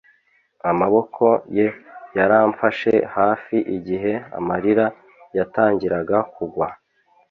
amaboko ye yaramfashe hafi igihe amarira yatangiraga kugwa